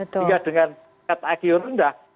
sehingga dengan ktaki rendah